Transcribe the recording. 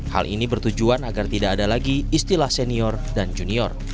hal ini bertujuan agar tidak ada lagi istilah senior dan junior